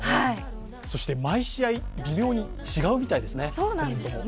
そして毎試合、微妙に違うみたいですね。